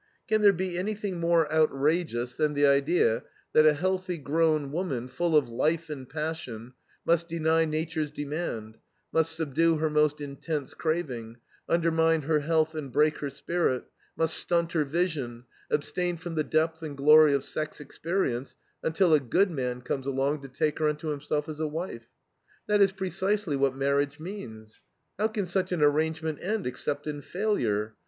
Can there be anything more outrageous than the idea that a healthy, grown woman, full of life and passion, must deny nature's demand, must subdue her most intense craving, undermine her health and break her spirit, must stunt her vision, abstain from the depth and glory of sex experience until a "good" man comes along to take her unto himself as a wife? That is precisely what marriage means. How can such an arrangement end except in failure?